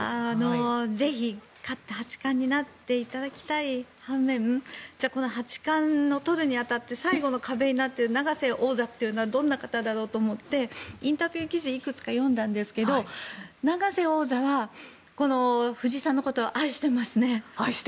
ぜひ勝って八冠になっていただきたい半面じゃあこの八冠を取るに当たって最後の壁になっている永瀬王座というのはどんな方だろうと思ってインタビュー記事をいくつか読んだんですが永瀬王座はこの藤井さんのことを愛していますね。